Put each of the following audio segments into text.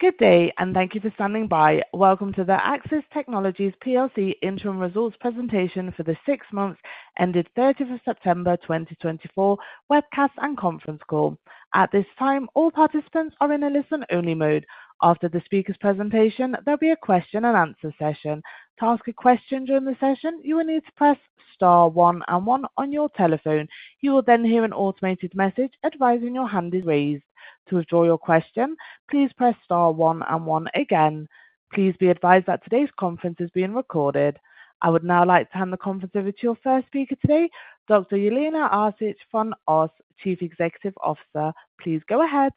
Good day, and thank you for standing by. Welcome to the Accsys Technologies PLC Interim Results Presentation for the six months ended 30th of September 2024 webcast and conference call. At this time, all participants are in a listen-only mode. After the speaker's presentation, there'll be a question-and-answer session. To ask a question during the session, you will need to press star one and one on your telephone. You will then hear an automated message advising your hand is raised. To withdraw your question, please press star one and one again. Please be advised that today's conference is being recorded. I would now like to hand the conference over to your first speaker today, Dr. Jelena Arsic van Os, Chief Executive Officer. Please go ahead.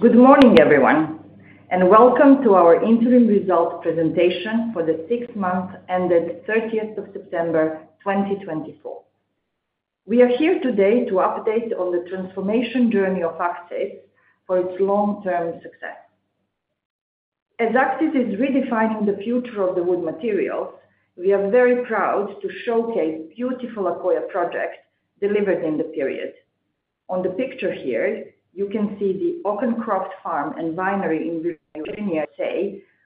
Good morning, everyone, and welcome to our interim results presentation for the six months ended 30th of September 2024. We are here today to update on the transformation journey of Accsys for its long-term success. As Accsys is redefining the future of the wood materials, we are very proud to showcase beautiful Accoya projects delivered in the period. On the picture here, you can see the Oakencroft Farm and Winery in Virginia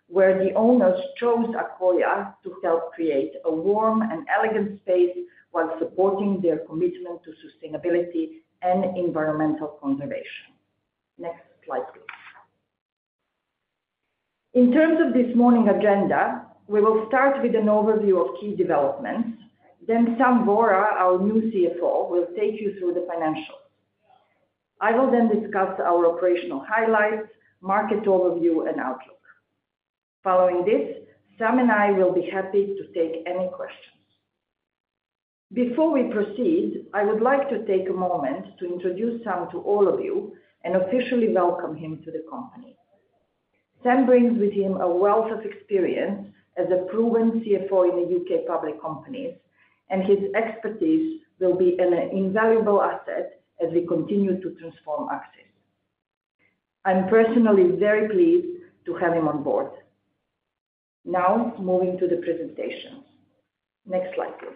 where the owners chose Accoya to help create a warm and elegant space while supporting their commitment to sustainability and environmental conservation. Next slide, please. In terms of this morning's agenda, we will start with an overview of key developments. Then Sam Vohra, our new CFO, will take you through the financials. I will then discuss our operational highlights, market overview, and outlook. Following this, Sam and I will be happy to take any questions. Before we proceed, I would like to take a moment to introduce Sam to all of you and officially welcome him to the company. Sam brings with him a wealth of experience as a proven CFO in the U.K. public companies, and his expertise will be an invaluable asset as we continue to transform Accsys. I'm personally very pleased to have him on board. Now, moving to the presentations. Next slide, please.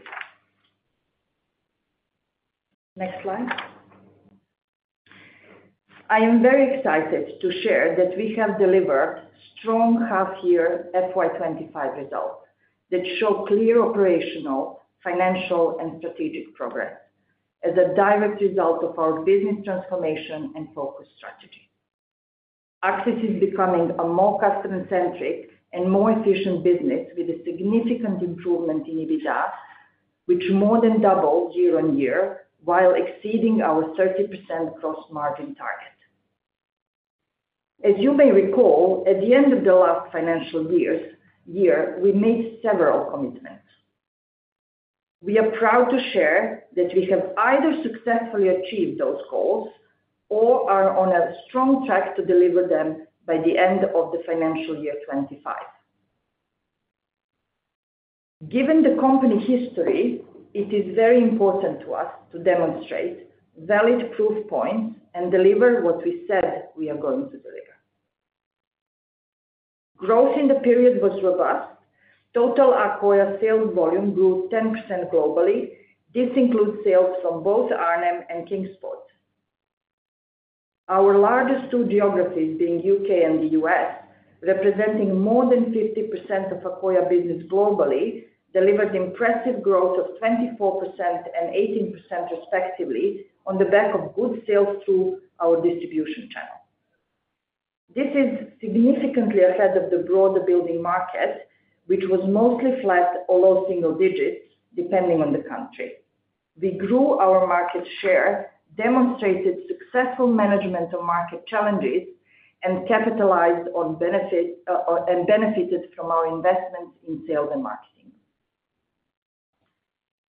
Next slide. I am very excited to share that we have delivered strong half-year FY 2025 results that show clear operational, financial, and strategic progress as a direct result of our business transformation and focus strategy. Accsys is becoming a more customer-centric and more efficient business with a significant improvement in EBITDA, which more than doubled year on year while exceeding our 30% gross margin target. As you may recall, at the end of the last financial year, we made several commitments. We are proud to share that we have either successfully achieved those goals or are on a strong track to deliver them by the end of the financial year 2025. Given the company history, it is very important to us to demonstrate valid proof points and deliver what we said we are going to deliver. Growth in the period was robust. Total Accoya sales volume grew 10% globally. This includes sales from both Arnhem and Kingsport. Our largest two geographies, being U.K. and the U.S., representing more than 50% of Accoya business globally, delivered impressive growth of 24% and 18% respectively on the back of good sales through our distribution channel. This is significantly ahead of the broader building market, which was mostly flat, although single digits, depending on the country. We grew our market share, demonstrated successful management of market challenges, and capitalized on benefits and benefited from our investments in sales and marketing.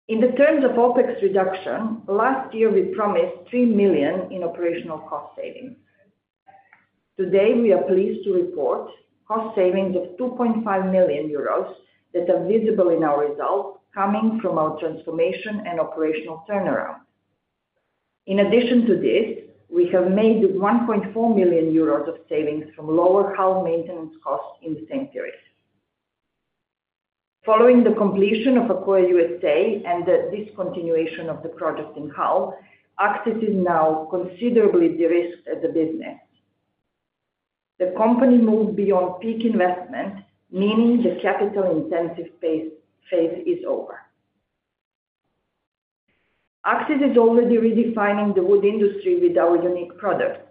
In terms of OPEX reduction, last year we promised 3 million in operational cost savings. Today, we are pleased to report cost savings of 2.5 million euros that are visible in our results coming from our transformation and operational turnaround. In addition to this, we have made 1.4 million euros of savings from lower Hull maintenance costs in the same period. Following the completion of Accoya USA and the discontinuation of the project in Hull, Accsys is now considerably de-risked as a business. The company moved beyond peak investment, meaning the capital-intensive phase is over. Accsys is already redefining the wood industry with our unique products.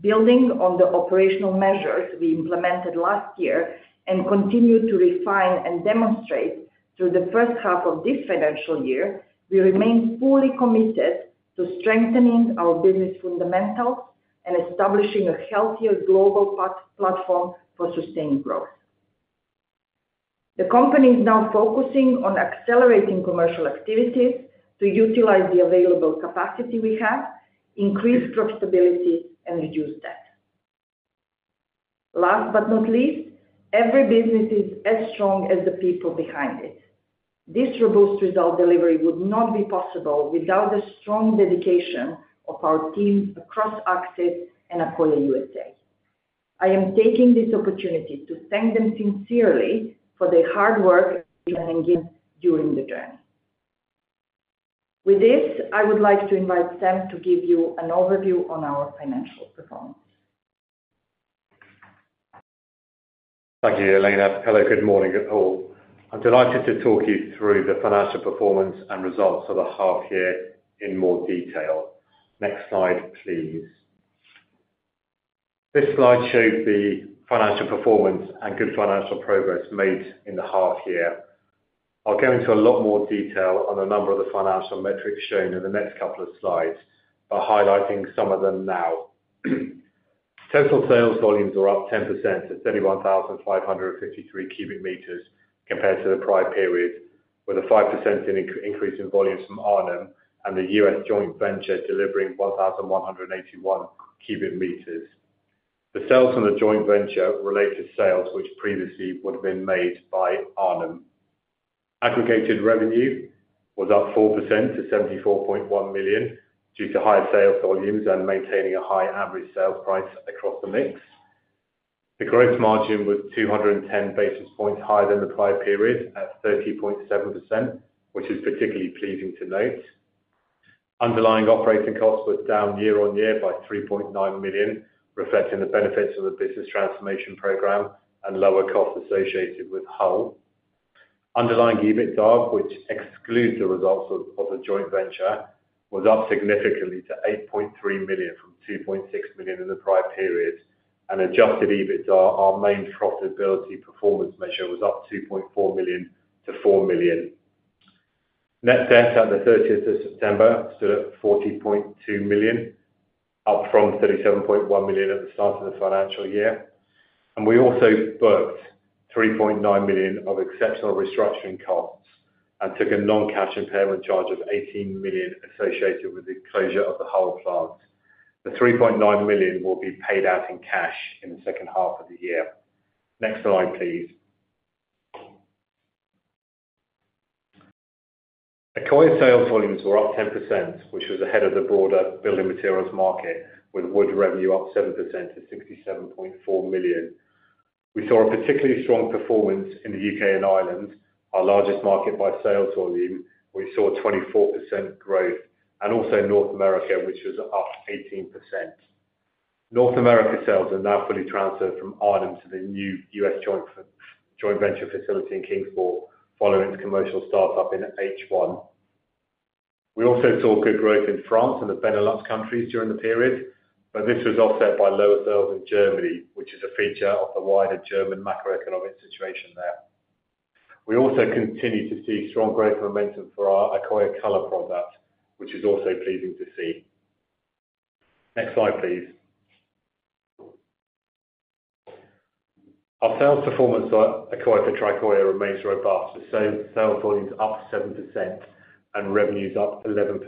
Building on the operational measures we implemented last year and continue to refine and demonstrate through the first half of this financial year, we remain fully committed to strengthening our business fundamentals and establishing a healthier global platform for sustained growth. The company is now focusing on accelerating commercial activities to utilize the available capacity we have, increase profitability, and reduce debt. Last but not least, every business is as strong as the people behind it. This robust result delivery would not be possible without the strong dedication of our team across Accsys and Accoya USA. I am taking this opportunity to thank them sincerely for their hard work and engagement during the journey. With this, I would like to invite Sam to give you an overview on our financial performance. Thank you, Jelena. Hello, good morning all. I'm delighted to talk you through the financial performance and results of the half-year in more detail. Next slide, please. This slide shows the financial performance and good financial progress made in the half-year. I'll go into a lot more detail on a number of the financial metrics shown in the next couple of slides, but highlighting some of them now. Total sales volumes are up 10% at 31,553 cubic meters compared to the prior period, with a 5% increase in volumes from Arnhem and the U.S. joint venture delivering 1,181 cubic meters. The sales from the joint venture relate to sales which previously would have been made by Arnhem. Aggregated revenue was up 4% to 74.1 million due to higher sales volumes and maintaining a high average sales price across the mix. The gross margin was 210 basis points higher than the prior period at 30.7%, which is particularly pleasing to note. Underlying operating costs were down year on year by 3.9 million, reflecting the benefits of the business transformation program and lower costs associated with Hull. Underlying EBITDA, which excludes the results of the joint venture, was up significantly to 8.3 million from 2.6 million in the prior period, and adjusted EBITDA, our main profitability performance measure, was up 2.4 million to 4 million. Net debt at the 30th of September stood at 40.2 million, up from 37.1 million at the start of the financial year. And we also booked 3.9 million of exceptional restructuring costs and took a non-cash impairment charge of 18 million associated with the closure of the Hull plant. The 3.9 million will be paid out in cash in the second half of the year. Next slide, please. Accoya sales volumes were up 10%, which was ahead of the broader building materials market, with wood revenue up 7% to 67.4 million. We saw a particularly strong performance in the U.K. and Ireland, our largest market by sales volume. We saw 24% growth, and also North America, which was up 18%. North America sales are now fully transferred from Arnhem to the new U.S. joint venture facility in Kingsport following its commercial startup in H1. We also saw good growth in France and the Benelux countries during the period, but this was offset by lower sales in Germany, which is a feature of the wider German macroeconomic situation there. We also continue to see strong growth momentum for our Accoya Color product, which is also pleasing to see. Next slide, please. Our sales performance for Accoya and Tricoya remains robust, with sales volumes up 7% and revenues up 11%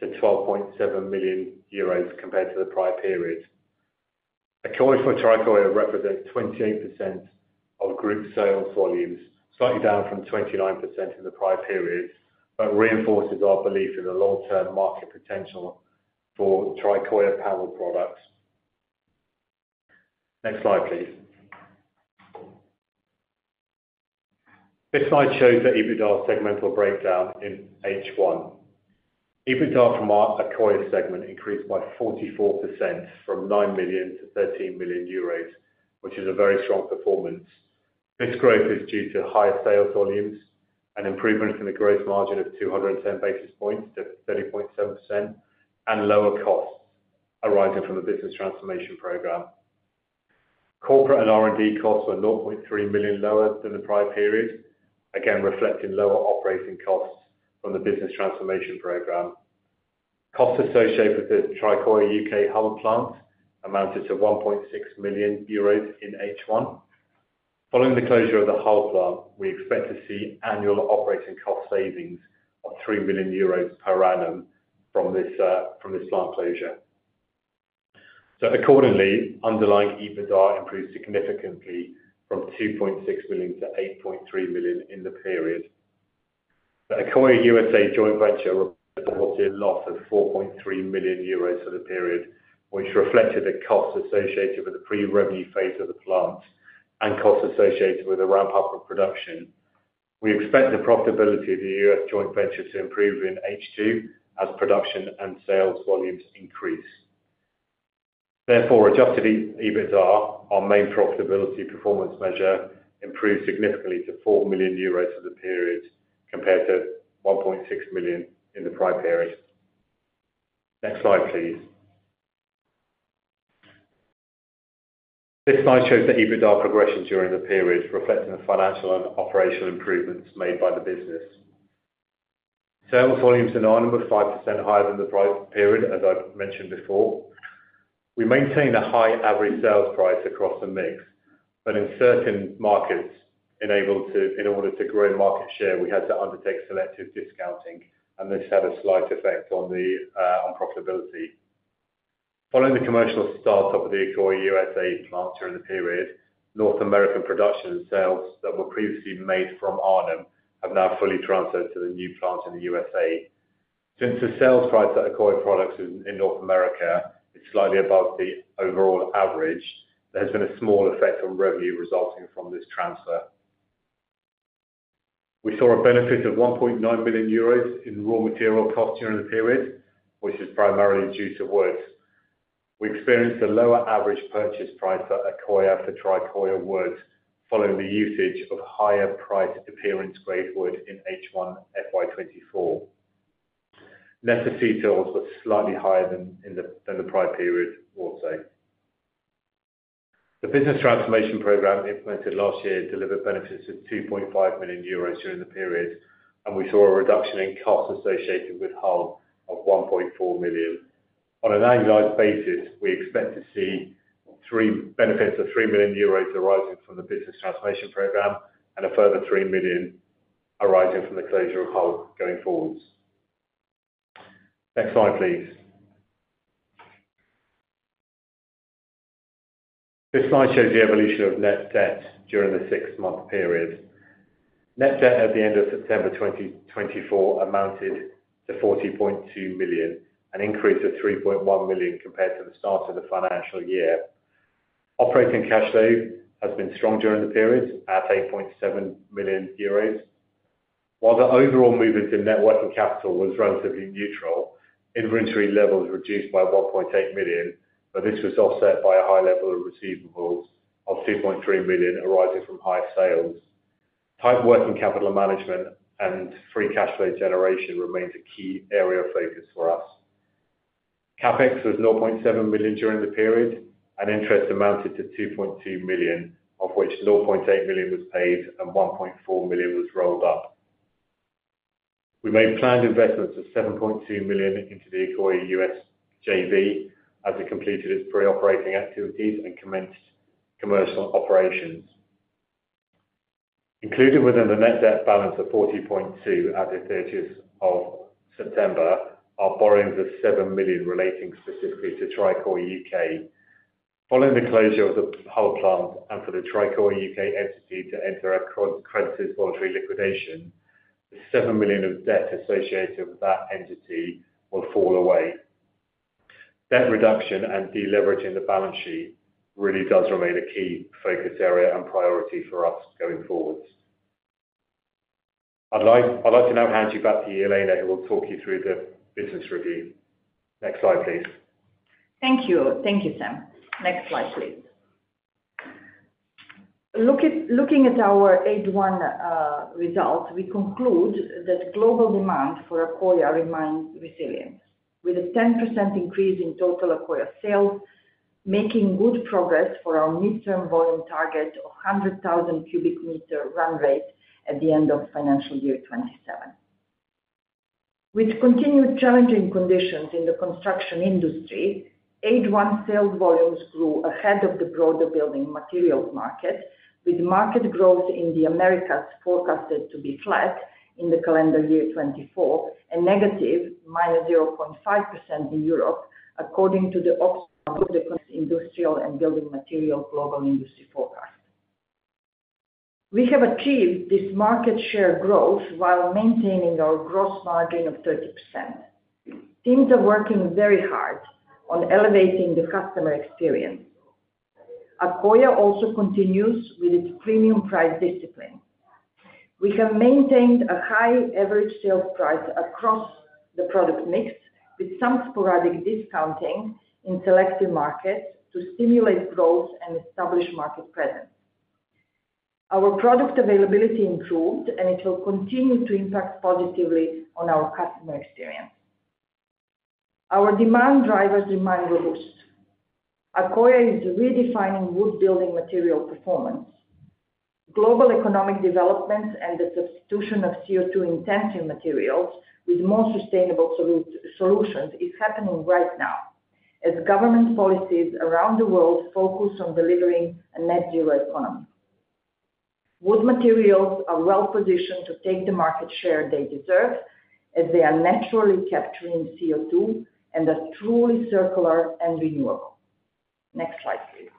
to 12.7 million euros compared to the prior period. Accoya and Tricoya represents 28% of group sales volumes, slightly down from 29% in the prior period, but reinforces our belief in the long-term market potential for Tricoya panel products. Next slide, please. This slide shows the EBITDA segmental breakdown in H1. EBITDA from our Accoya segment increased by 44% from 9 million to 13 million euros, which is a very strong performance. This growth is due to higher sales volumes and improvements in the gross margin of 210 basis points to 30.7% and lower costs arising from the business transformation program. Corporate and R&D costs were 0.3 million EUR lower than the prior period, again reflecting lower operating costs from the business transformation program. Costs associated with the Tricoya UK Hull plant amounted to 1.6 million euros in H1. Following the closure of the Hull plant, we expect to see annual operating cost savings of 3 million euros per annum from this plant closure. So accordingly, underlying EBITDA improved significantly from 2.6 million to 8.3 million in the period. The Accoya USA joint venture reported a loss of 4.3 million euros for the period, which reflected the costs associated with the pre-revenue phase of the plant and costs associated with the ramp-up of production. We expect the profitability of the U.S. joint venture to improve in H2 as production and sales volumes increase. Therefore, adjusted EBITDA, our main profitability performance measure, improved significantly to 4 million euros for the period compared to 1.6 million in the prior period. Next slide, please. This slide shows the EBITDA progression during the period, reflecting the financial and operational improvements made by the business. Sales volumes in Arnhem were 5% higher than the prior period, as I mentioned before. We maintain a high average sales price across the mix, but in certain markets, in order to grow market share, we had to undertake selective discounting, and this had a slight effect on profitability. Following the commercial startup of the Accoya USA plant during the period, North American production and sales that were previously made from Arnhem have now fully transferred to the new plant in the USA. Since the sales price of Accoya products in North America is slightly above the overall average, there has been a small effect on revenue resulting from this transfer. We saw a benefit of 1.9 million euros in raw material costs during the period, which is primarily due to wood. We experienced a lower average purchase price for Accoya for Tricoya wood following the usage of higher-priced appearance-grade wood in H1 FY 2024. Net asset sales were slightly higher than the prior period also. The business transformation program implemented last year delivered benefits of 2.5 million euros during the period, and we saw a reduction in costs associated with Hull of 1.4 million. On an annualized basis, we expect to see benefits of 3 million euros arising from the business transformation program and a further 3 million arising from the closure of Hull going forwards. Next slide, please. This slide shows the evolution of net debt during the six-month period. Net debt at the end of September 2024 amounted to 40.2 million, an increase of 3.1 million compared to the start of the financial year. Operating cash flow has been strong during the period at 8.7 million euros. While the overall movement in net working capital was relatively neutral, inventory levels reduced by 1.8 million, but this was offset by a high level of receivables of 2.3 million arising from high sales. Tight working capital management and free cash flow generation remains a key area of focus for us. CapEx was 0.7 million during the period, and interest amounted to 2.2 million, of which 0.8 million was paid and 1.4 million was rolled up. We made planned investments of 7.2 million into the Accoya U.S. JV as it completed its pre-operating activities and commenced commercial operations. Included within the net debt balance of 40.2 million at the 30th of September are borrowings of 7 million relating specifically to Tricoya U.K. Following the closure of the Hull plant and for the Tricoya U.K. entity to enter a creditors voluntary liquidation, the 7 million of debt associated with that entity will fall away. Debt reduction and deleveraging the balance sheet really does remain a key focus area and priority for us going forwards. I'd like to now hand you back to Jelena, who will talk you through the business review. Next slide, please. Thank you. Thank you, Sam. Next slide, please. Looking at our H1 results, we conclude that global demand for Accoya remains resilient, with a 10% increase in total Accoya sales, making good progress for our midterm volume target of 100,000 cubic meter run rate at the end of financial year 2027. With continued challenging conditions in the construction industry, H1 sales volumes grew ahead of the broader building materials market, with market growth in the Americas forecasted to be flat in the calendar year 2024 and negative minus 0.5% in Europe, according to the Oxford Industrial and Building Materials Global Industry Forecast. We have achieved this market share growth while maintaining our gross margin of 30%. Teams are working very hard on elevating the customer experience. Accoya also continues with its premium price discipline. We have maintained a high average sales price across the product mix, with some sporadic discounting in selective markets to stimulate growth and establish market presence. Our product availability improved, and it will continue to impact positively on our customer experience. Our demand drivers remain robust. Accoya is redefining wood building material performance. Global economic development and the substitution of CO2-intensive materials with more sustainable solutions is happening right now, as government policies around the world focus on delivering a net zero economy. Wood materials are well positioned to take the market share they deserve, as they are naturally capturing CO2 and are truly circular and renewable. Next slide, please.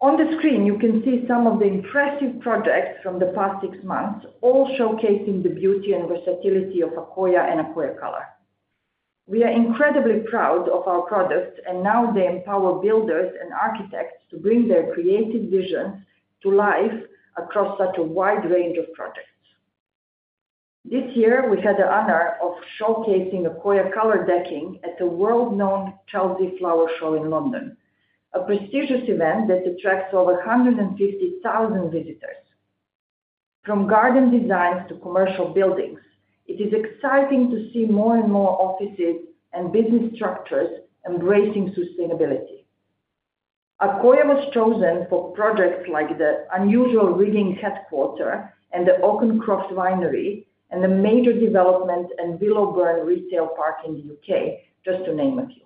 On the screen, you can see some of the impressive projects from the past six months, all showcasing the beauty and versatility of Accoya and Accoya Color. We are incredibly proud of our products, and now they empower builders and architects to bring their creative visions to life across such a wide range of projects. This year, we had the honor of showcasing Accoya Color decking at the world-renowned Chelsea Flower Show in London, a prestigious event that attracts over 150,000 visitors. From garden designs to commercial buildings, it is exciting to see more and more offices and business structures embracing sustainability. Accoya was chosen for projects like the Unusual Rigging headquarters and the Oakencroft winery, and the major development and Willowburn Retail park in the U.K., just to name a few.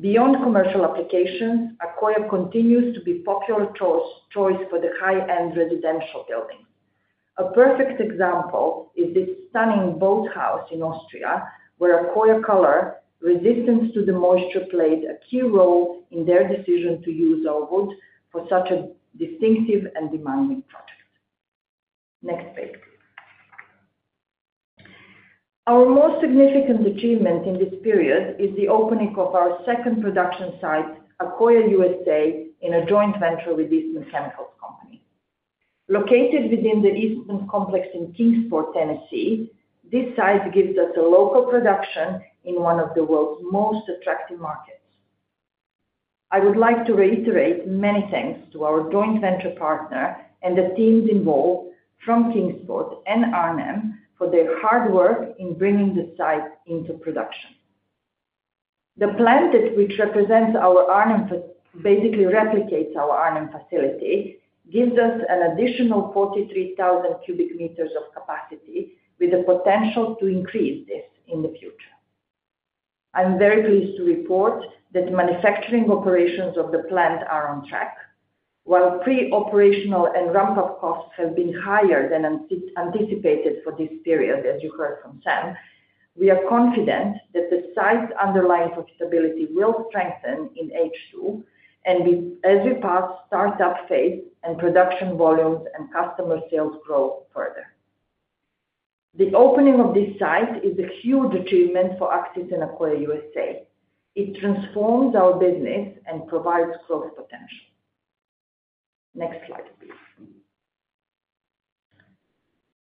Beyond commercial applications, Accoya continues to be a popular choice for the high-end residential buildings. A perfect example is this stunning boathouse in Austria, where Accoya Color, resistant to the moisture, played a key role in their decision to use our wood for such a distinctive and demanding project. Next page, please. Our most significant achievement in this period is the opening of our second production site, Accoya USA, in a joint venture with Eastman Chemical Company. Located within the Eastman complex in Kingsport, Tennessee, this site gives us a local production in one of the world's most attractive markets. I would like to reiterate many thanks to our joint venture partner and the teams involved from Kingsport and Arnhem for their hard work in bringing the site into production. The plant which represents our Arnhem basically replicates our Arnhem facility, gives us an additional 43,000 cubic meters of capacity, with the potential to increase this in the future. I'm very pleased to report that manufacturing operations of the plant are on track. While pre-operational and ramp-up costs have been higher than anticipated for this period, as you heard from Sam, we are confident that the site's underlying profitability will strengthen in H2, and as we pass startup phase and production volumes and customer sales grow further. The opening of this site is a huge achievement for Accsys and Accoya USA. It transforms our business and provides growth potential. Next slide, please.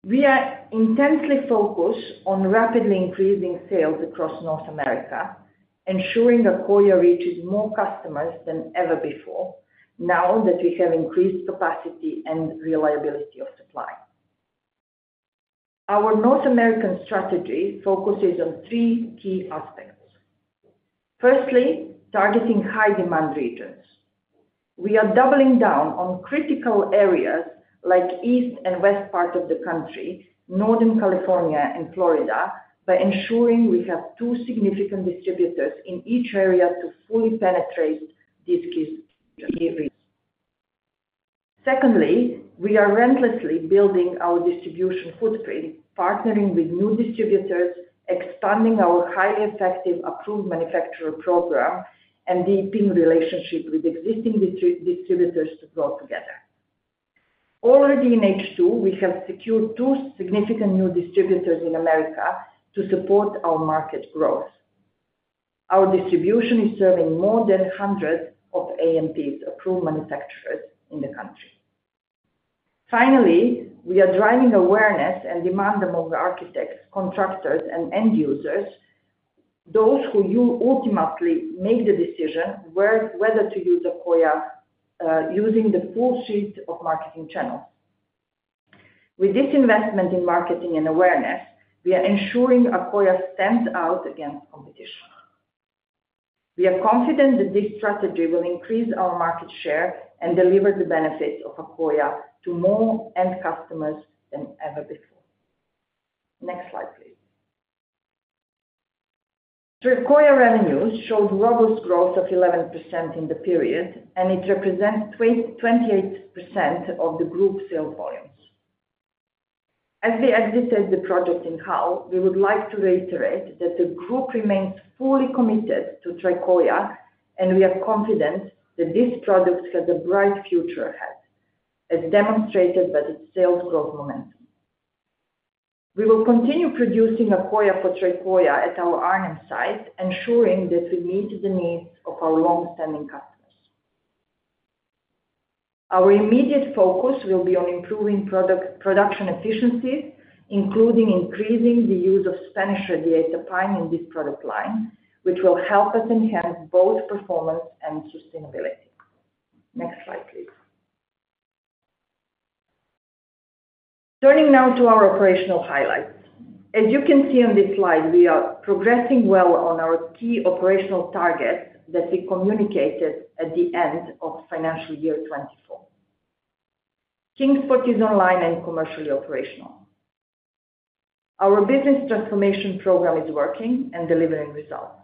We are intensely focused on rapidly increasing sales across North America, ensuring Accoya reaches more customers than ever before, now that we have increased capacity and reliability of supply. Our North American strategy focuses on three key aspects. Firstly, targeting high-demand regions. We are doubling down on critical areas like east and west parts of the country, Northern California and Florida, by ensuring we have two significant distributors in each area to fully penetrate these key regions. Secondly, we are relentlessly building our distribution footprint, partnering with new distributors, expanding our highly effective approved manufacturer program, and deepening relationships with existing distributors to grow together. Already in H2, we have secured two significant new distributors in America to support our market growth. Our distribution is serving more than 100 of AMPs, approved manufacturers, in the country. Finally, we are driving awareness and demand among architects, contractors, and end users, those who ultimately make the decision whether to use Accoya using the full suite of marketing channels. With this investment in marketing and awareness, we are ensuring Accoya stands out against competition. We are confident that this strategy will increase our market share and deliver the benefits of Accoya to more end customers than ever before. Next slide, please. Tricoya revenues showed robust growth of 11% in the period, and it represents 28% of the group sales volumes. As we exited the project in Hull, we would like to reiterate that the group remains fully committed to Tricoya, and we are confident that this product has a bright future ahead, as demonstrated by its sales growth momentum. We will continue producing Accoya for Tricoya at our Arnhem site, ensuring that we meet the needs of our longstanding customers. Our immediate focus will be on improving production efficiencies, including increasing the use of Spanish radiata pine in this product line, which will help us enhance both performance and sustainability. Next slide, please. Turning now to our operational highlights. As you can see on this slide, we are progressing well on our key operational targets that we communicated at the end of financial year 2024. Kingsport is online and commercially operational. Our business transformation program is working and delivering results.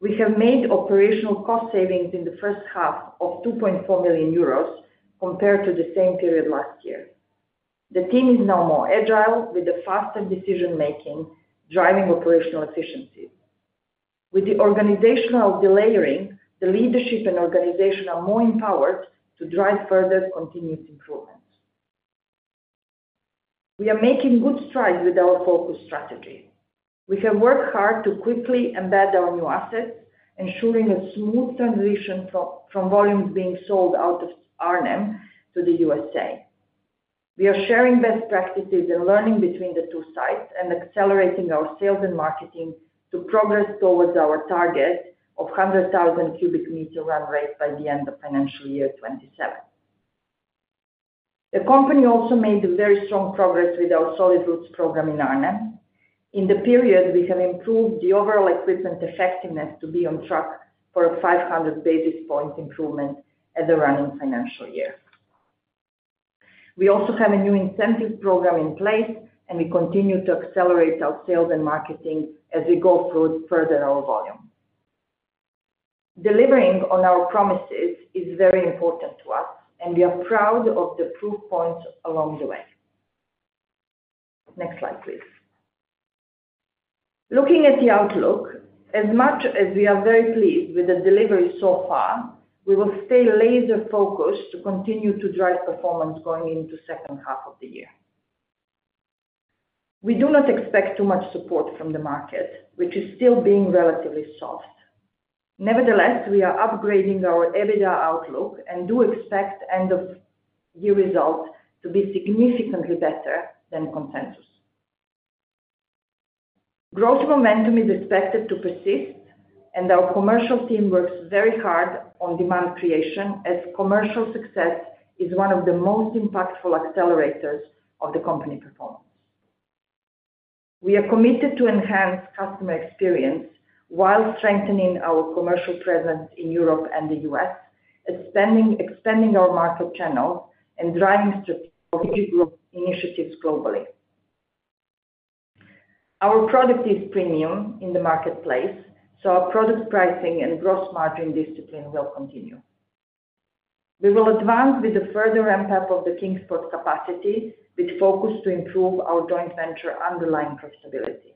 We have made operational cost savings in the first half of 2.4 million euros compared to the same period last year. The team is now more agile, with faster decision-making, driving operational efficiencies. With the organizational delayering, the leadership and organization are more empowered to drive further continuous improvements. We are making good strides with our focus strategy. We have worked hard to quickly embed our new assets, ensuring a smooth transition from volumes being sold out of Arnhem to the USA. We are sharing best practices and learning between the two sites and accelerating our sales and marketing to progress towards our target of 100,000 cubic meter run rate by the end of financial year 2027. The company also made very strong progress with our Solid Roots program in Arnhem. In the period, we have improved the overall equipment effectiveness to be on track for a 500 basis point improvement at the running financial year. We also have a new incentive program in place, and we continue to accelerate our sales and marketing as we go further our volume. Delivering on our promises is very important to us, and we are proud of the proof points along the way. Next slide, please. Looking at the outlook, as much as we are very pleased with the delivery so far, we will stay laser-focused to continue to drive performance going into the second half of the year. We do not expect too much support from the market, which is still being relatively soft. Nevertheless, we are upgrading our EBITDA outlook and do expect end-of-year results to be significantly better than consensus. Growth momentum is expected to persist, and our commercial team works very hard on demand creation, as commercial success is one of the most impactful accelerators of the company performance. We are committed to enhancing customer experience while strengthening our commercial presence in Europe and the US, expanding our market channels, and driving strategic initiatives globally. Our product is premium in the marketplace, so our product pricing and gross margin discipline will continue. We will advance with the further ramp-up of the Kingsport capacity, with focus to improve our joint venture underlying profitability.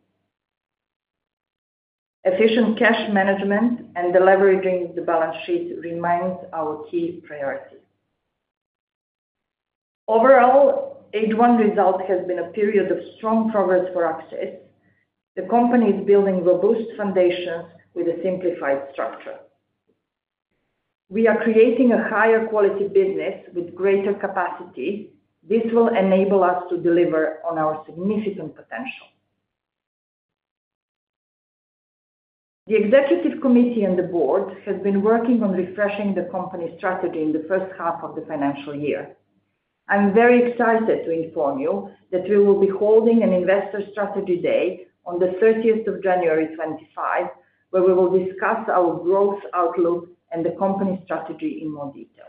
Efficient cash management and leveraging the balance sheet remains our key priority. Overall, H1 result has been a period of strong progress for Accsys. The company is building robust foundations with a simplified structure. We are creating a higher quality business with greater capacity. This will enable us to deliver on our significant potential. The executive committee and the board have been working on refreshing the company strategy in the first half of the financial year. I'm very excited to inform you that we will be holding an investor strategy day on the 30th of January 2025, where we will discuss our growth outlook and the company strategy in more detail.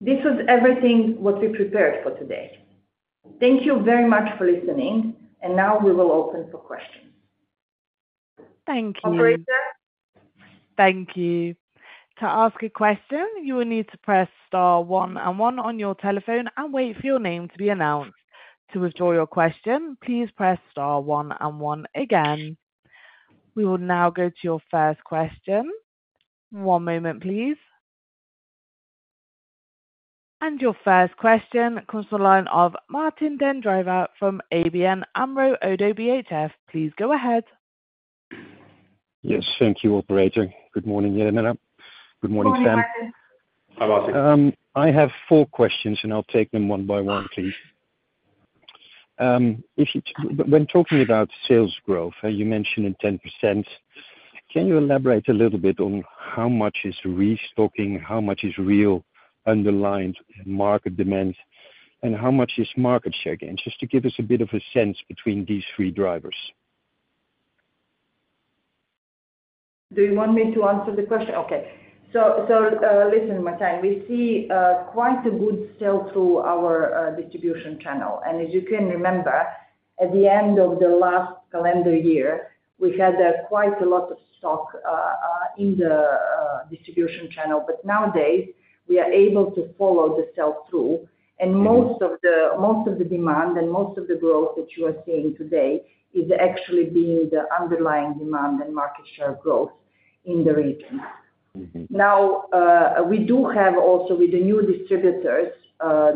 This was everything what we prepared for today. Thank you very much for listening, and now we will open for questions. Thank you. Thank you. To ask a question, you will need to press star one and one on your telephone and wait for your name to be announced. To withdraw your question, please press star one and one again. We will now go to your first question. One moment, please. And your first question, consultant line of Martijn den Drijver from ABN AMRO - ODDO BHF, please go ahead. Yes, thank you, Operator. Good morning, Jelena. Good morning, Sam. Good morning, Martijn. Hi, Martijn. I have four questions, and I'll take them one by one, please. When talking about sales growth, you mentioned 10%. Can you elaborate a little bit on how much is restocking, how much is real underlying market demand, and how much is market share gain? Just to give us a bit of a sense between these three drivers. Do you want me to answer the question? Okay, so listen, Martin, we see quite a good sale through our distribution channel, and as you can remember, at the end of the last calendar year, we had quite a lot of stock in the distribution channel, but nowadays, we are able to follow the sales through, and most of the demand and most of the growth that you are seeing today is actually being the underlying demand and market share growth in the region. Now, we do have also, with the new distributors,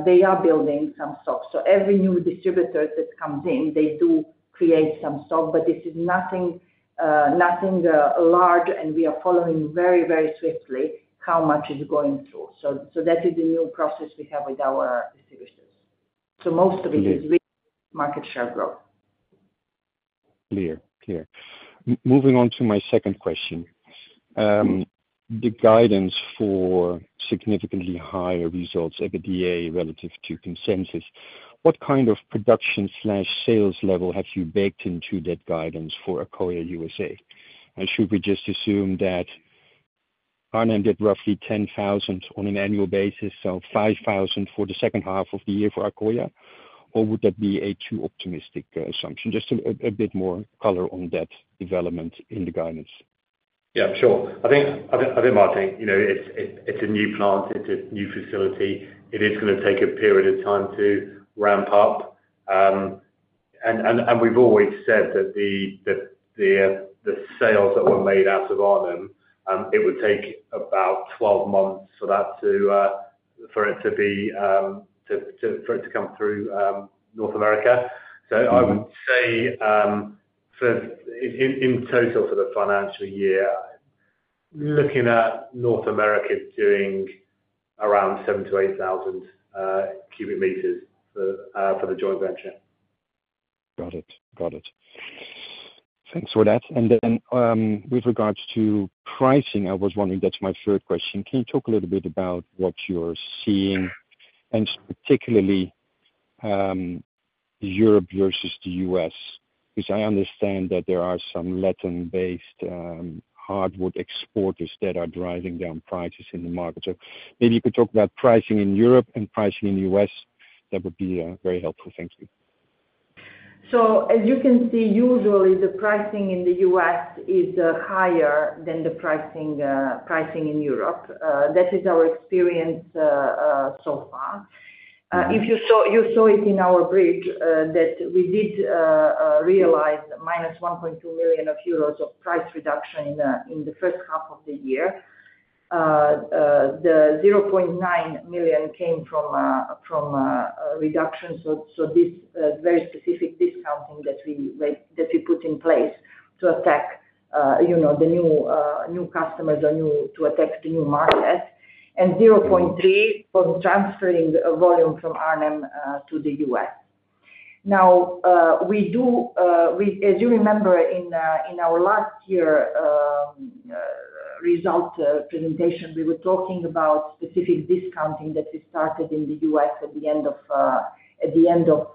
they are building some stock, so every new distributor that comes in, they do create some stock, but this is nothing large, and we are following very, very swiftly how much is going through. So that is the new process we have with our distributors. So most of it is market share growth. Clear. Clear. Moving on to my second question. The guidance for significantly higher results at the EBITDA relative to consensus, what kind of production/sales level have you baked into that guidance for Accoya USA? And should we just assume that Arnhem did roughly 10,000 on an annual basis, so 5,000 for the second half of the year for Accoya, or would that be a too optimistic assumption? Just a bit more color on that development in the guidance. Yeah, sure. I think, Martijn, it's a new plant. It's a new facility. It is going to take a period of time to ramp up. We've always said that the sales that were made out of Arnhem, it would take about 12 months for that to be for it to come through North America. I would say in total for the financial year, looking at North America doing around 7,000-8,000 cubic meters for the joint venture. Got it. Got it. Thanks for that. With regards to pricing, I was wondering, that's my third question. Can you talk a little bit about what you're seeing, and particularly Europe versus the U.S.? Because I understand that there are some Latin-based hardwood exporters that are driving down prices in the market. Maybe you could talk about pricing in Europe and pricing in the U.S. That would be very helpful. Thank you. As you can see, usually the pricing in the U.S. is higher than the pricing in Europe. That is our experience so far. You saw it in our bridge that we did realize minus 1.2 million euros of price reduction in the first half of the year. The 0.9 million came from reduction so this very specific discounting that we put in place to attack the new customers or to attack the new market and 0.3 for transferring volume from Arnhem to the U.S. Now, as you remember, in our last year result presentation, we were talking about specific discounting that we started in the U.S. at the end of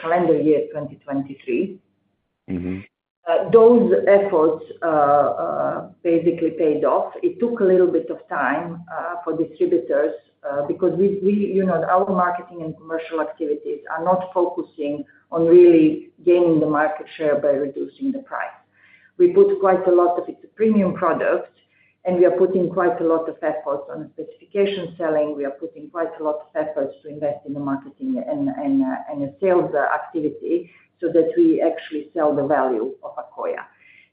calendar year 2023. Those efforts basically paid off. It took a little bit of time for distributors because our marketing and commercial activities are not focusing on really gaining the market share by reducing the price. We put quite a lot of it to premium products, and we are putting quite a lot of efforts on specification selling. We are putting quite a lot of efforts to invest in the marketing and sales activity so that we actually sell the value of Accoya.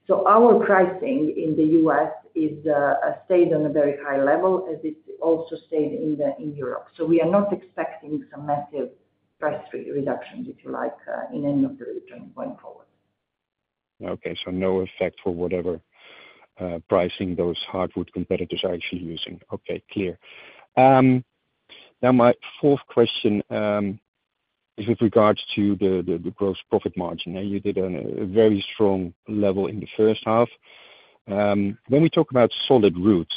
So our pricing in the U.S. has stayed on a very high level as it also stayed in Europe. So we are not expecting some massive price reductions, if you like, in any of the region going forward. Okay. So no effect for whatever pricing those hardwood competitors are actually using. Okay. Clear. Now, my fourth question is with regards to the gross profit margin. You did a very strong level in the first half. When we talk about Solid Roots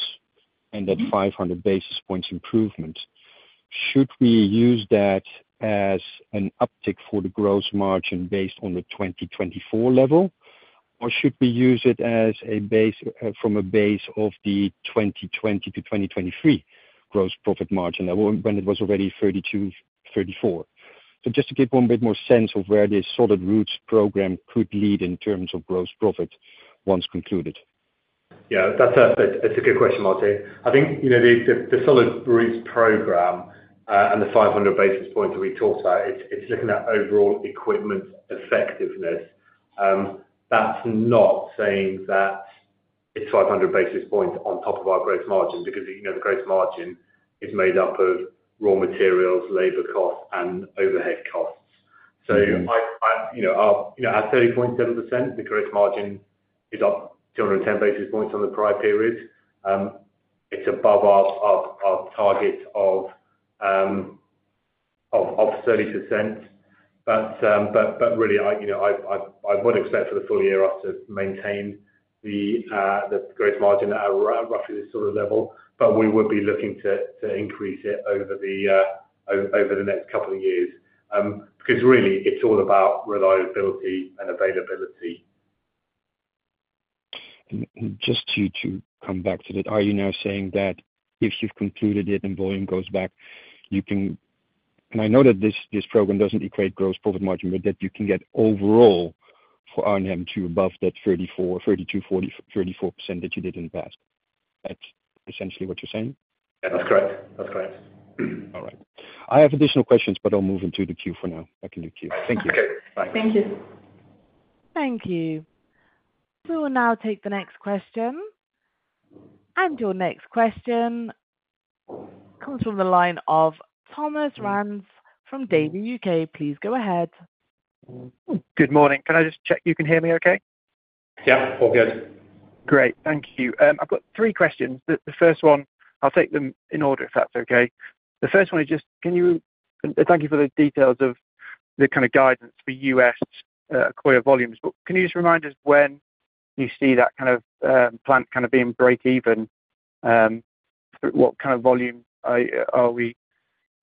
and that 500 basis points improvement, should we use that as an uptick for the gross margin based on the 2024 level, or should we use it from a base of the 2020 to 2023 gross profit margin level when it was already 32%-34%? So just to give one bit more sense of where this Solid Roots program could lead in terms of gross profit once concluded. Yeah. That's a good question, Martin. I think the Solid Roots program and the 500 basis points that we talked about, it's looking at overall equipment effectiveness. That's not saying that it's 500 basis points on top of our gross margin because the gross margin is made up of raw materials, labor costs, and overhead costs. So at 30.7%, the gross margin is up 210 basis points on the prior period. It's above our target of 30%. But really, I would expect for the full year us to maintain the gross margin at roughly the sort of level, but we would be looking to increase it over the next couple of years because really, it's all about reliability and availability. And just to come back to that, are you now saying that if you've concluded it and volume goes back, you can—and I know that this program doesn't equate gross profit margin, but that you can get overall for Arnhem to above that 32%-34% that you did in the past? That's essentially what you're saying? Yeah. That's correct. That's correct. All right. I have additional questions, but I'll move into the queue for now. Back in the queue. Thank you. Okay. Thank you. Thank you. We will now take the next question. Your next question comes from the line of Thomas Rands from Davy U.K. Please go ahead. Good morning. Can I just check you can hear me okay? Yeah. All good. Great. Thank you. I've got three questions. The first one, I'll take them in order if that's okay. The first one is just thank you for the details of the kind of guidance for U.S. Accoya volumes. But can you just remind us when you see that kind of plant kind of being break-even? What kind of volume are we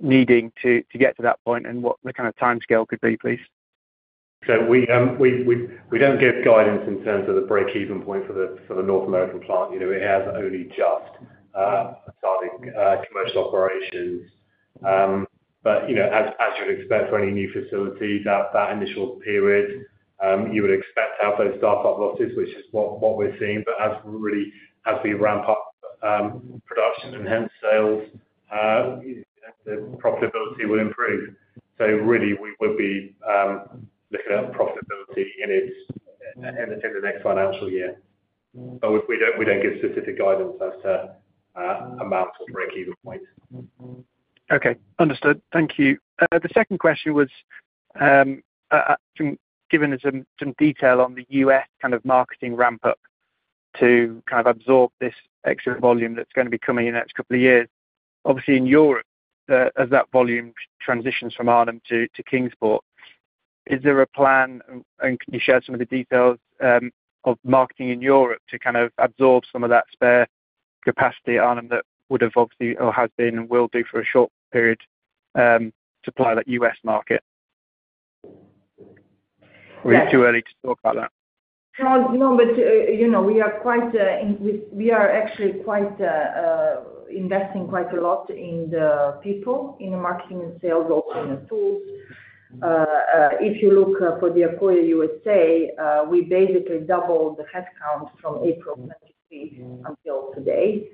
needing to get to that point, and what the kind of timescale could be, please? We don't give guidance in terms of the break-even point for the North American plant. It has only just started commercial operations. But as you'd expect for any new facility, that initial period, you would expect to have those start-up losses, which is what we're seeing. But as we ramp up production and hence sales, the profitability will improve. So really, we would be looking at profitability in the next financial year. But we don't give specific guidance as to amount of break-even point. Okay. Understood. Thank you. The second question was given some detail on the U.S. kind of marketing ramp-up to kind of absorb this extra volume that's going to be coming in the next couple of years. Obviously, in Europe, as that volume transitions from Arnhem to Kingsport, is there a plan, and can you share some of the details of marketing in Europe to kind of absorb some of that spare capacity at Arnhem that would have obviously or has been and will do for a short period supply that U.S. market? Or are you too early to talk about that? No, but we are actually investing quite a lot in the people, in the marketing and sales option tools. If you look for the Accoya USA, we basically doubled the headcount from April 2023 until today.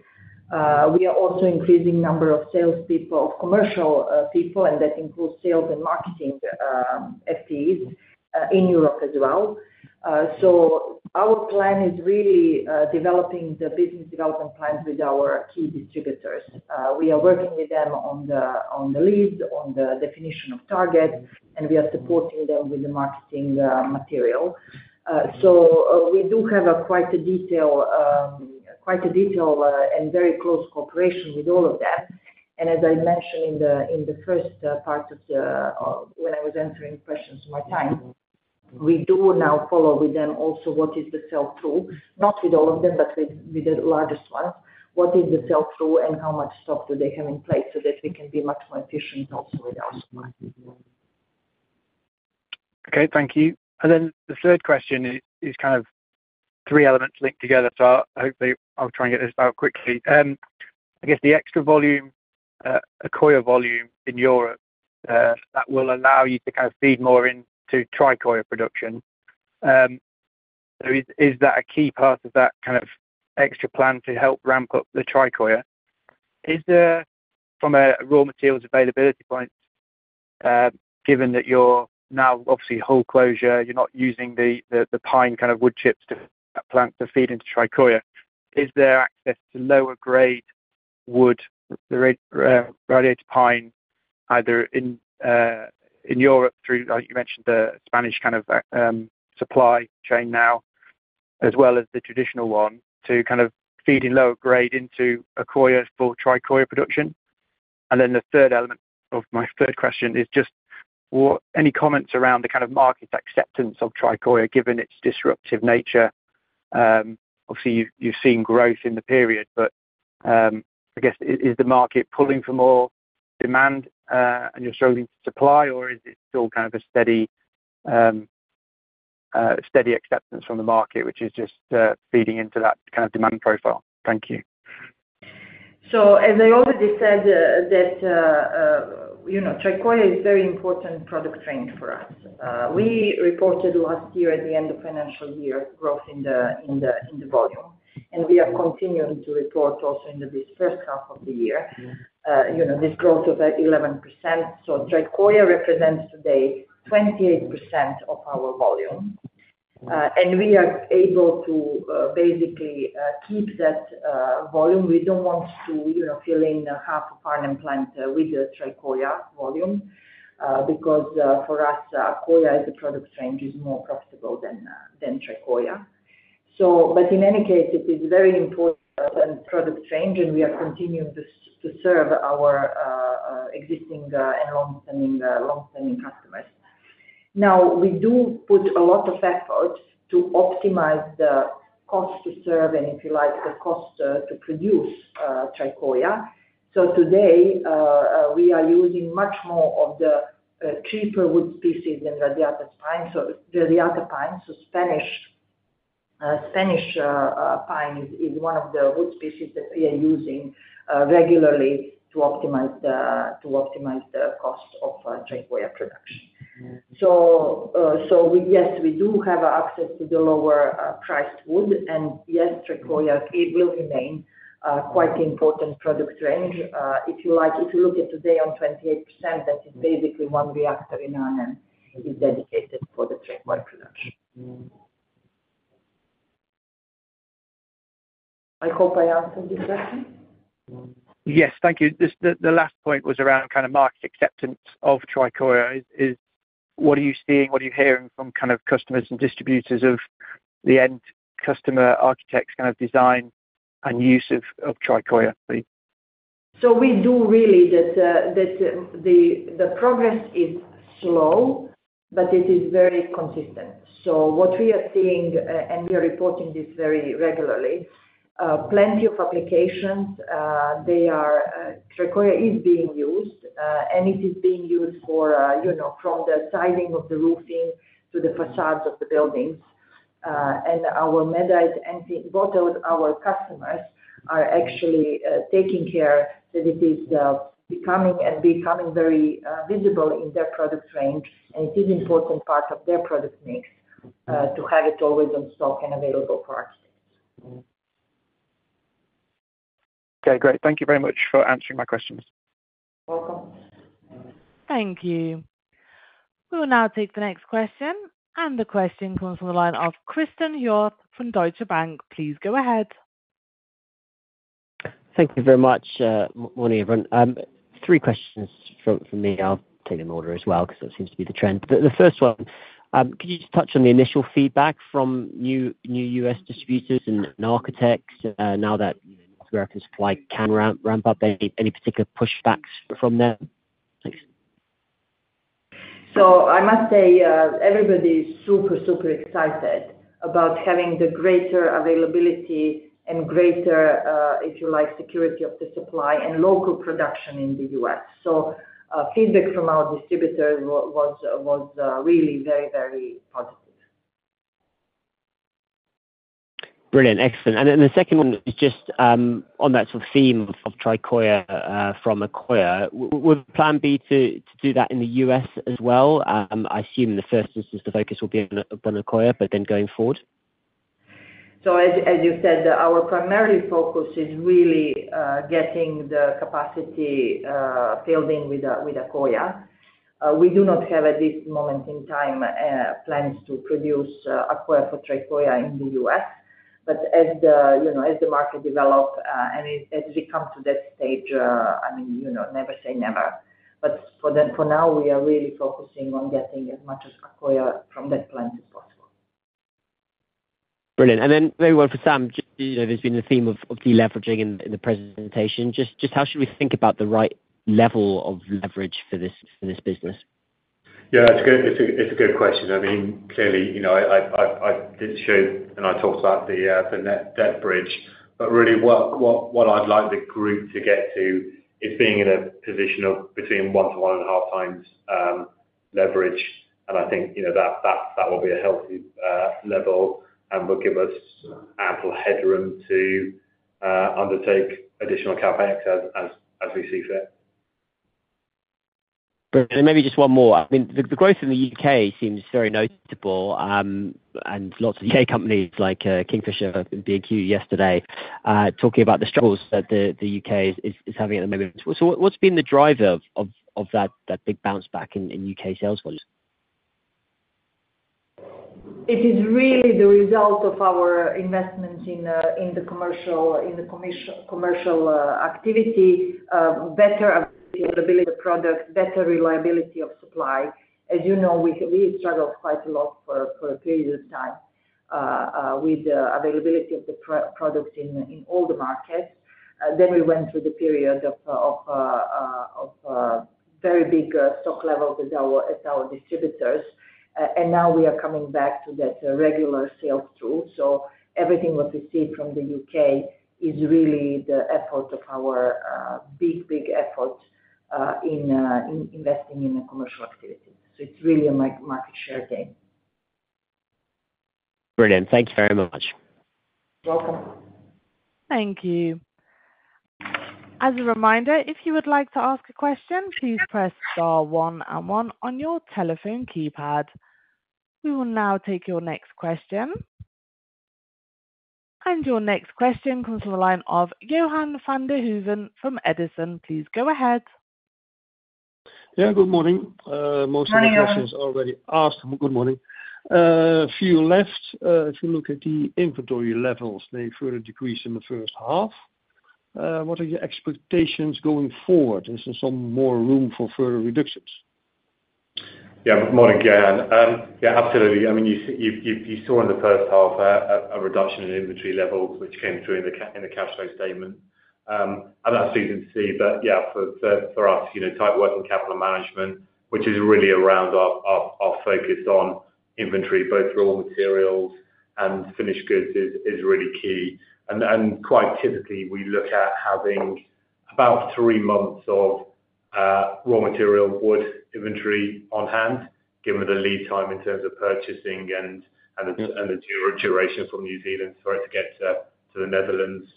We are also increasing the number of salespeople, of commercial people, and that includes sales and marketing FTEs in Europe as well. So our plan is really developing the business development plans with our key distributors. We are working with them on the lead, on the definition of target, and we are supporting them with the marketing material, so we do have quite a detailed and very close cooperation with all of them, and as I mentioned in the first part of when I was answering questions to my clients, we do now follow with them also what is the sell-through, not with all of them, but with the largest ones. What is the sell-through and how much stock do they have in place so that we can be much more efficient also with our supply? Okay. Thank you, and then the third question is kind of three elements linked together, so hopefully, I'll try and get this out quickly. I guess the extra volume, Accoya volume in Europe, that will allow you to kind of feed more into Tricoya production. Is that a key part of that kind of extra plan to help ramp up the Tricoya? From a raw materials availability point, given that you're now obviously Hull closure, you're not using the pine kind of wood chips to feed that plant to feed into Tricoya, is there access to lower-grade wood, the radiata pine, either in Europe through, I think you mentioned the Spanish kind of supply chain now, as well as the traditional one, to kind of feeding lower-grade into Accoya for Tricoya production? And then the third element of my third question is just any comments around the kind of market acceptance of Tricoya given its disruptive nature? Obviously, you've seen growth in the period, but I guess, is the market pulling for more demand and you're struggling to supply, or is it still kind of a steady acceptance from the market, which is just feeding into that kind of demand profile? Thank you. So as I already said, that Tricoya is a very important product range for us. We reported last year at the end of financial year growth in the volume, and we are continuing to report also in this first half of the year this growth of 11%. So Tricoya represents today 28% of our volume, and we are able to basically keep that volume. We don't want to fill in half of Arnhem plant with the Tricoya volume because for us, Accoya as a product range is more profitable than Tricoya. But in any case, it is a very important product range, and we are continuing to serve our existing and long-standing customers. Now, we do put a lot of effort to optimize the cost to serve and, if you like, the cost to produce Tricoya. So today, we are using much more of the cheaper wood species than radiata pine. So radiata pine, so Spanish pine, is one of the wood species that we are using regularly to optimize the cost of Tricoya production. So yes, we do have access to the lower-priced wood, and yes, Tricoya, it will remain quite an important product range. If you look at today on 28%, that is basically one reactor in Arnhem is dedicated for the Tricoya production. I hope I answered this question. Yes. Thank you. The last point was around kind of market acceptance of Tricoya. What are you seeing? What are you hearing from kind of customers and distributors of the end customer architects' kind of design and use of Tricoya, please? So we really see that the progress is slow, but it is very consistent. So what we are seeing, and we are reporting this very regularly, plenty of applications, Tricoya is being used, and it is being used from the siding of the roofing to the facades of the buildings. And our Medite and both of our customers are actually taking care that it is becoming very visible in their product range, and it is an important part of their product mix to have it always on stock and available for architects. Okay. Great. Thank you very much for answering my questions. You're welcome. Thank you. We will now take the next question, and the question comes from the line of Christen Hjorth from Deutsche Bank. Please go ahead. Thank you very much, Martijn. Three questions from me. I'll take them in order as well because that seems to be the trend. The first one, could you just touch on the initial feedback from new U.S. distributors and architects now that North America's supply can ramp up? Any particular pushbacks from them? Thanks. So I must say everybody is super, super excited about having the greater availability and greater, if you like, security of the supply and local production in the U.S. So feedback from our distributors was really very, very positive. Brilliant. Excellent. And then the second one is just on that sort of theme of Tricoya from Accoya. Would the plan be to do that in the U.S. as well? I assume the first is just the focus will be on Accoya, but then going forward? So as you said, our primary focus is really getting the capacity building with Accoya. We do not have at this moment in time plans to produce Accoya for Tricoya in the U.S. But as the market develops and as we come to that stage, I mean, never say never. But for now, we are really focusing on getting as much Accoya from that plant as possible. Brilliant. And then maybe one for Sam. There's been the theme of deleveraging in the presentation. Just how should we think about the right level of leverage for this business? Yeah. It's a good question. I mean, clearly, I did show and I talked about the net debt, but really what I'd like the group to get to is being in a position of between one to one and a half times leverage. And I think that will be a healthy level and will give us ample headroom to undertake additional CapEx as we see fit. Brilliant. And maybe just one more. I mean, the growth in the U.K. seems very noticeable, and lots of U.K. companies like Kingfisher have been in queue yesterday talking about the struggles that the U.K. is having at the moment. So what's been the driver of that big bounce back in U.K. sales volumes? It is really the result of our investments in the commercial activity, better availability of the product, better reliability of supply. As you know, we struggled quite a lot for a period of time with the availability of the products in all the markets. Then we went through the period of very big stock levels at our distributors, and now we are coming back to that regular sales through. So everything what we see from the U.K. is really the effort of our big, big effort in investing in the commercial activity. So it's really a market share gain. Brilliant. Thank you very much. You're welcome. Thank you. As a reminder, if you would like to ask a question, please press star one and one on your telephone keypad. We will now take your next question. And your next question comes from the line of Johan van den Hooven from Edison. Please go ahead. Yeah. Good morning. Most of the questions are already asked. Good morning. Few left. If you look at the inventory levels, they further decreased in the first half. What are your expectations going forward? Is there some more room for further reductions? Yeah. Good morning, Johan. Yeah, absolutely. I mean, you saw in the first half a reduction in inventory levels, which came through in the cash flow statement. And that's easy to see. But yeah, for us, tight working capital management, which is really around our focus on inventory, both raw materials and finished goods, is really key. And quite typically, we look at having about three months of raw material wood inventory on hand, given the lead time in terms of purchasing and the duration from New Zealand for it to get to the Netherlands,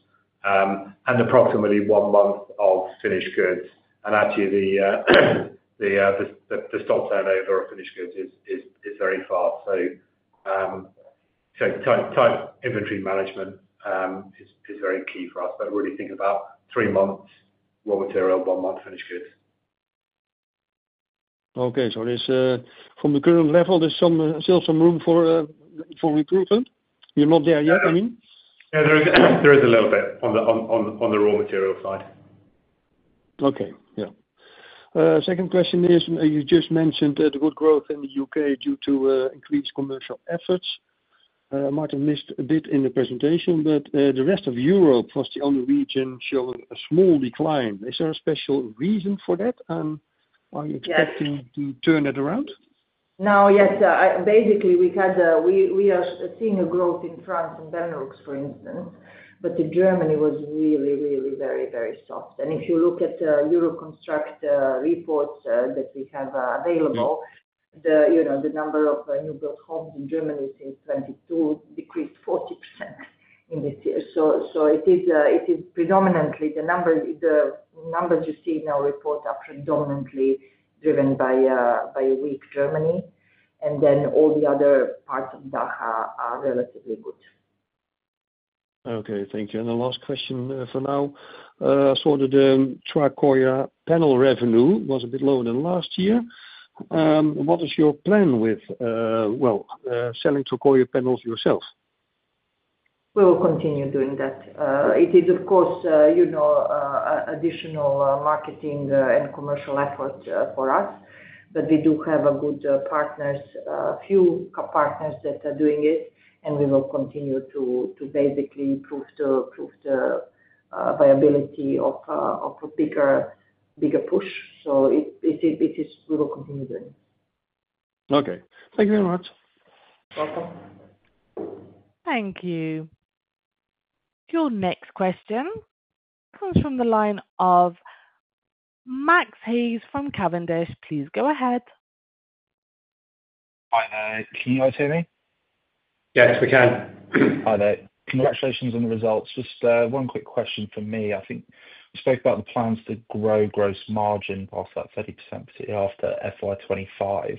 and approximately one month of finished goods. And actually, the stock turnover of finished goods is very fast. So tight inventory management is very key for us. But really think about three months raw material, one month finished goods. Okay. So from the current level, there's still some room for improvement? You're not there yet, I mean? Yeah. There is a little bit on the raw material side. Okay. Yeah. Second question is, you just mentioned the good growth in the U.K. due to increased commercial efforts. Martijn missed a bit in the presentation, but the rest of Europe was the only region showing a small decline. Is there a special reason for that, and are you expecting to turn it around? Now, yes. Basically, we are seeing a growth in France and Benelux, for instance, but in Germany was really, really very, very soft. And if you look at Euroconstruct reports that we have available, the number of new built homes in Germany since 2022 decreased 40% in this year. So it is predominantly the numbers you see in our report are predominantly driven by weak Germany, and then all the other parts of EMEA are relatively good. Okay. Thank you. And the last question for now. I saw the Tricoya panel revenue was a bit lower than last year. What is your plan with, well, selling Tricoya panels yourself? We will continue doing that. It is, of course, additional marketing and commercial effort for us, but we do have a few partners that are doing it, and we will continue to basically prove the viability of a bigger push. So we will continue doing it. Okay. Thank you very much. You're welcome. Thank you. Your next question comes from the line of Max Hayes from Cavendish. Please go ahead. Hi. Can you all hear me? Yes, we can. Hi there. Congratulations on the results. Just one quick question for me. I think you spoke about the plans to grow gross margin past that 30% after FY 2025.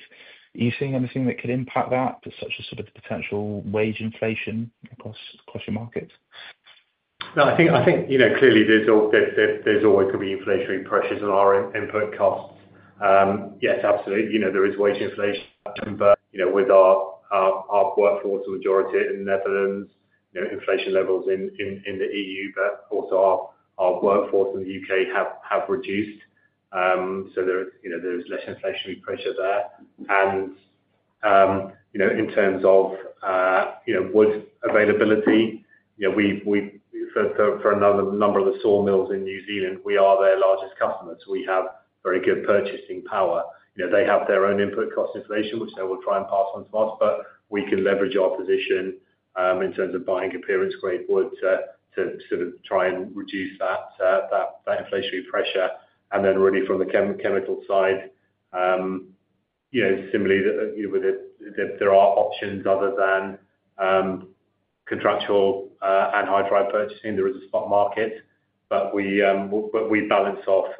Are you seeing anything that could impact that, such as sort of the potential wage inflation across your markets? No. I think clearly there's always going to be inflationary pressures on our input costs. Yes, absolutely. There is wage inflation. With our workforce, the majority in the Netherlands, inflation levels in the EU, but also our workforce in the U.K. have reduced. So there is less inflationary pressure there. And in terms of wood availability, for a number of the sawmills in New Zealand, we are their largest customer. So we have very good purchasing power. They have their own input cost inflation, which they will try and pass on to us, but we can leverage our position in terms of buying appearance-grade wood to sort of try and reduce that inflationary pressure. And then really from the chemical side, similarly, there are options other than contractual and high-volume purchasing. There is a stock market, but we balance off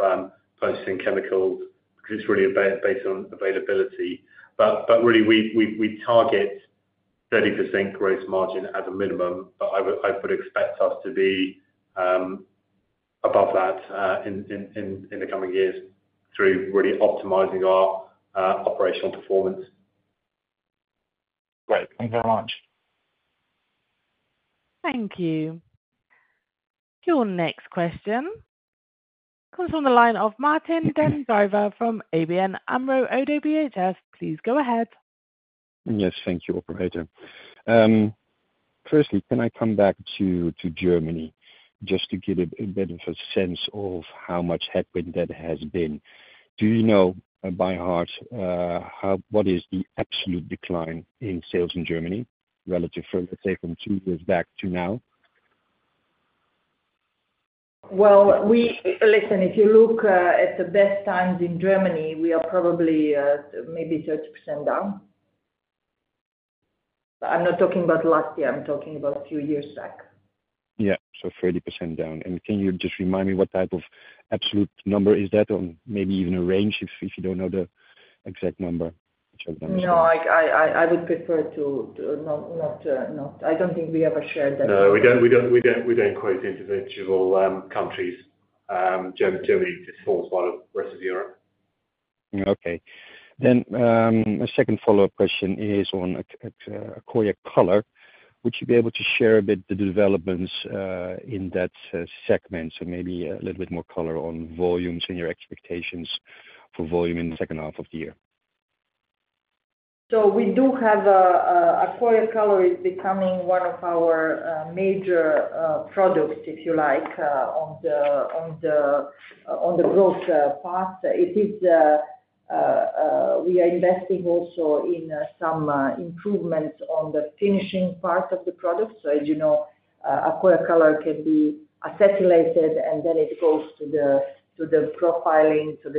purchasing chemicals because it's really based on availability. But really, we target 30% gross margin as a minimum, but I would expect us to be above that in the coming years through really optimizing our operational performance. Great. Thank you very much. Thank you. Your next question comes from the line of Martijn den Drijver from ABN AMRO - ODDO BHF. Please go ahead. Yes. Thank you, Operator. Firstly, can I come back to Germany just to get a bit of a sense of how much headwind that has been? Do you know by heart what is the absolute decline in sales in Germany relative, let's say, from two years back to now? Well, listen, if you look at the best times in Germany, we are probably maybe 30% down. I'm not talking about last year. I'm talking about a few years back. Yeah. So 30% down. And can you just remind me what type of absolute number is that or maybe even a range if you don't know the exact number? No, I would prefer to not. I don't think we ever shared that number. No. We don't quote individual countries. Germany just falls by the rest of Europe. Okay. Then my second follow-up question is on Accoya Color. Would you be able to share a bit the developments in that segment? So, maybe a little bit more color on volumes and your expectations for volume in the second half of the year. So we do have Accoya Color is becoming one of our major products, if you like, on the growth path. We are investing also in some improvements on the finishing part of the product. So as you know, Accoya Color can be acetylated, and then it goes to the profiling so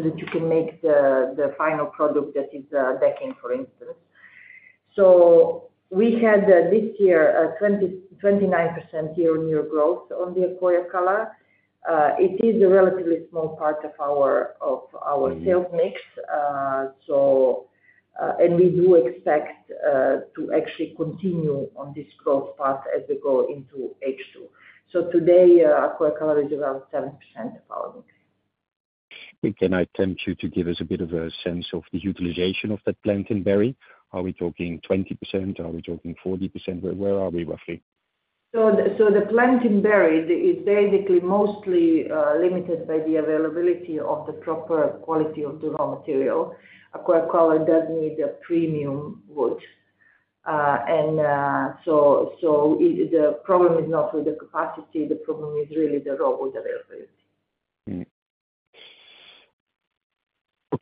that you can make the final product that is decking, for instance. So we had this year a 29% year-on-year growth on the Accoya Color. It is a relatively small part of our sales mix, and we do expect to actually continue on this growth path as we go into H2. So today, Accoya Color is around 7% of our mix. Can I attempt to give us a bit of a sense of the utilization of that plant in Barry? Are we talking 20%? Are we talking 40%? Where are we roughly? So the plant in Barry is basically mostly limited by the availability of the proper quality of the raw material. Accoya Color does need a premium wood. And so the problem is not with the capacity. The problem is really the raw wood availability.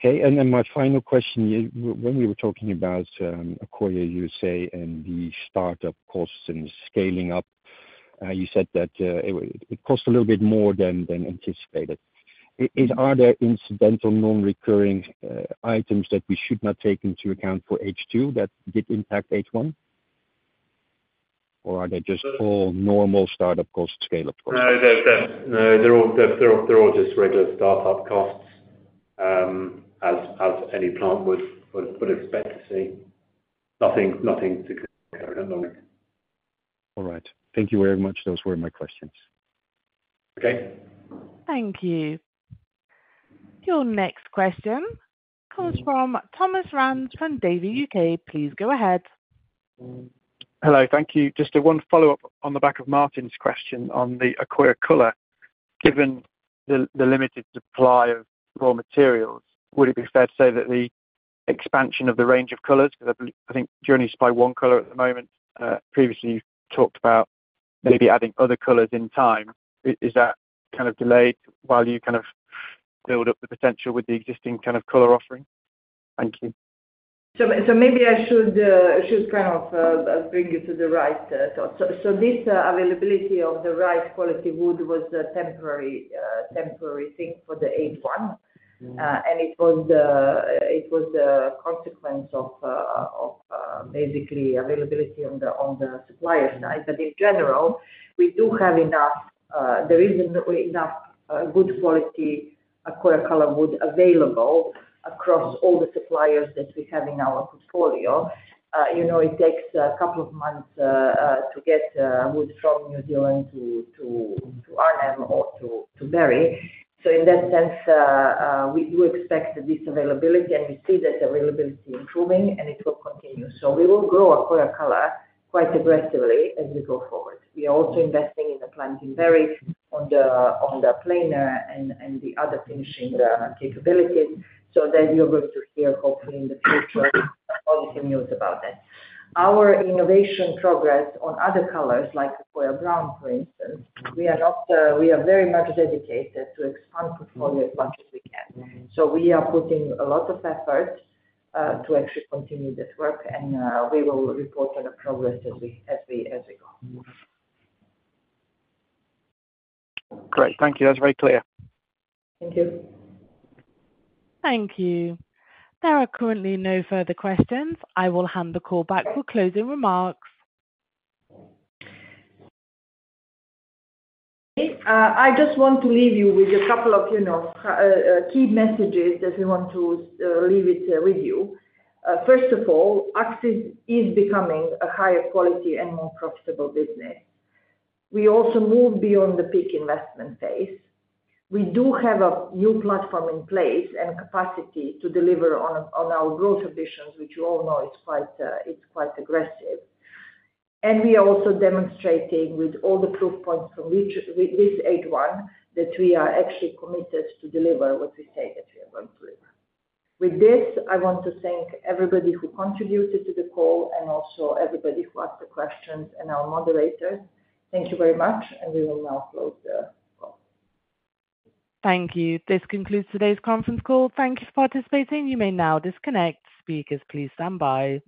Okay. And then my final question. When we were talking about Accoya USA and the startup costs and scaling up, you said that it cost a little bit more than anticipated. Are there incidental non-recurring items that we should not take into account for H2 that did impact H1? Or are they just all normal startup costs, scale-up costs? No. They're all just regular startup costs as any plant would expect to see. Nothing to compare with. All right. Thank you very much. Those were my questions. Okay. Thank you. Your next question comes from Thomas Rands from Davy, UK. Please go ahead. Hello. Thank you. Just one follow-up on the back of Martijn's question on the Accoya Color. Given the limited supply of raw materials, would it be fair to say that the expansion of the range of colors, because I think Germany's buying one color at the moment, previously you talked about maybe adding other colors in time. Is that kind of delayed while you kind of build up the potential with the existing kind of color offering? Thank you. So maybe I should kind of bring you to the right thought. So this availability of the right quality wood was a temporary thing for the H1, and it was the consequence of basically availability on the supplier side. But in general, we do have enough, there is enough good quality Accoya Color wood available across all the suppliers that we have in our portfolio. It takes a couple of months to get wood from New Zealand to Arnhem or to Barry. So in that sense, we do expect this availability, and we see that availability improving, and it will continue. So we will grow Accoya Color quite aggressively as we go forward. We are also investing in the plant in Barry on the planer and the other finishing capabilities. So then you're going to hear, hopefully, in the future, positive news about that. Our innovation progress on other colors, like Accoya Brown, for instance. We are very much dedicated to expand portfolio as much as we can. So we are putting a lot of effort to actually continue this work, and we will report on the progress as we go. Great. Thank you. That's very clear. Thank you. Thank you. There are currently no further questions. I will hand the call back for closing remarks. I just want to leave you with a couple of key messages that we want to leave with you. First of all, Accsys is becoming a higher quality and more profitable business. We also moved beyond the peak investment phase. We do have a new platform in place and capacity to deliver on our growth ambitions, which you all know is quite aggressive. And we are also demonstrating with all the proof points from this H1 that we are actually committed to deliver what we say that we are going to deliver. With this, I want to thank everybody who contributed to the call and also everybody who asked the questions and our moderators. Thank you very much, and we will now close the call. Thank you. This concludes today's conference call. Thank you for participating. You may now disconnect. Speakers, please stand by.